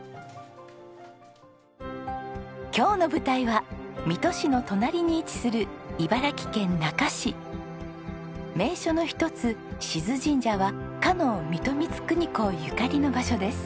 今日の舞台は水戸市の隣に位置する名所の一つ静神社はかの水戸光圀公ゆかりの場所です。